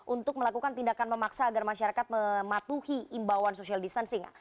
untuk melakukan tindakan memaksa agar masyarakat mematuhi imbauan social distancing